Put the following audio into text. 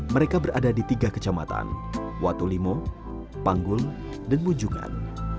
mereka berada di tiga kecamatan watulimo panggul dan munjungan